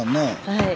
はい。